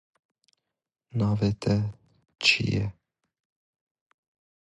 Seeds of "Leontodon" species are an important food source for certain bird species.